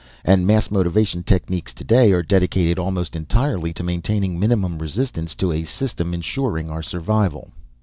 And mass motivation techniques, today, are dedicated almost entirely to maintaining minimum resistance to a system insuring our survival.